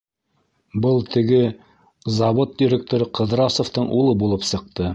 Был теге... завод директоры Ҡыҙрасовтың улы булып сыҡты.